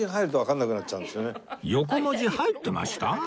横文字入ってました？